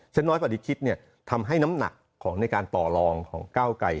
เซ็นต์น้อยปฏิคิดทำให้น้ำหนักในการต่อรองของก้าวไก่